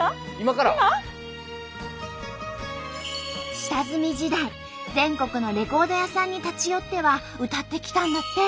下積み時代全国のレコード屋さんに立ち寄っては歌ってきたんだって。